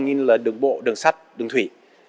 như là đường bộ đường sắt đường thủy